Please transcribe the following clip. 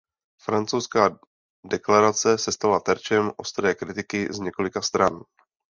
Francouzská deklarace se stala terčem ostré kritiky z několika stran.